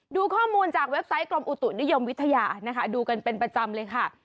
ดูข้อมูลจากเว็บไซต์กรมอุตุนิยมวิทยานะคะดูกันเป็นประจำเลยค่ะ